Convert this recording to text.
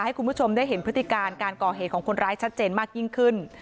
ให้คุณผู้ชมได้เห็นพฤติการการก่อเหตุของคนร้ายชัดเจนมากยิ่งขึ้น